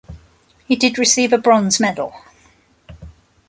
He did receive a bronze medal.